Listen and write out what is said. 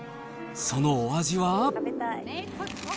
そのお味は？